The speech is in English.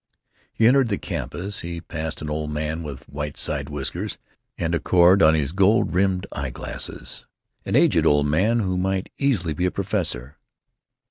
He entered the campus. He passed an old man with white side whiskers and a cord on his gold rimmed eye glasses; an aged old man who might easily be a professor.